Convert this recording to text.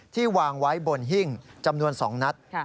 วางไว้บนหิ้งจำนวน๒นัด